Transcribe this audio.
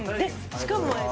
しかもね